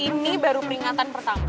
ini baru peringatan pertama